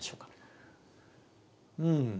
うん。